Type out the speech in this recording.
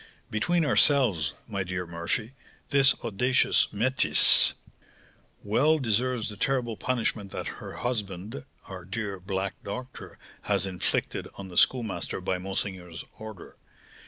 "Between ourselves, my dear Murphy, this audacious métisse well deserves the terrible punishment that her husband, our dear black doctor, has inflicted on the Schoolmaster by monseigneur's order.